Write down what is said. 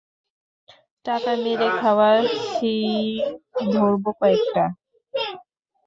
টাকা মেরে খাওয়া সিইও ধরবো কয়েকটা।